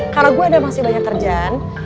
karena gua ada masih banyak kerjaan